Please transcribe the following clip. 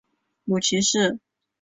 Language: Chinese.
母齐氏。